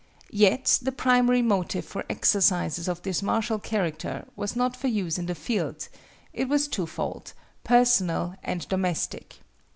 Yet the primary motive for exercises of this martial character was not for use in the field; it was twofold—personal and domestic.